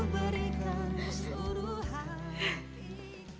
mau nyesal sama siapa